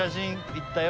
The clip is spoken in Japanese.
「行ったよ」